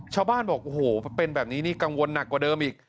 ชาวบ้านบอกโอ้โหเป็นแบบนี้นี่กังวลหนักกว่าเดิมอีก